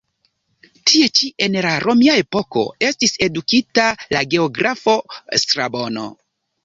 Tie ĉi en la romia epoko estis edukita la geografo Strabono.